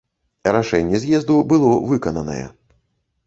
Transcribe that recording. Рашэнне з'езду было выкананае.